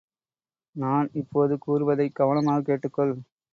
நான் இப்போது கூறுவதைக் கவனமாகக் கேட்டுக்கொள்!